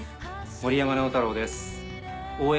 森山直太朗です。